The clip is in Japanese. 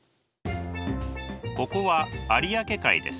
ここは有明海です。